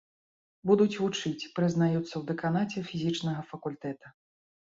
Будуць вучыць, прызнаюцца ў дэканаце фізічнага факультэта.